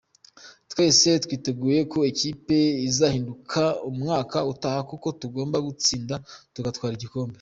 Twese twiteguye ko ikipe izahinduka umwaka utaha kuko tugomba gutsinda, tugatwara n’ibikombe.